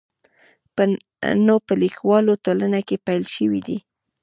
نو په لیکوالو ټولنه کې پیل شوی دی.